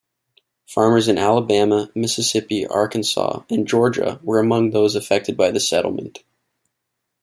Farmers in Alabama, Mississippi, Arkansas, and Georgia were among those affected by the settlement.